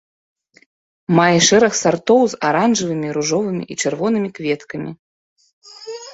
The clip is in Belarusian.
Мае шэраг сартоў з аранжавымі, ружовымі і чырвонымі кветкамі.